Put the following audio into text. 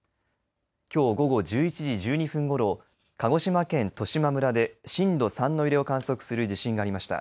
きょう午後１１時１２分ごろ鹿児島県十島村で震度３の揺れを観測する地震がありました。